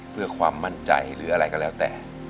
เพื่อความมั่นใจหรืออะไรก็แล้วแต่